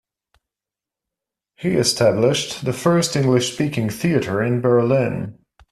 He established the first English-speaking theater in Berlin.